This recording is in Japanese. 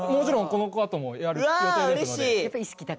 このあともやる予定ですので。